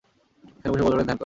এখানে বসে পর্যটকরা ধ্যান করেন।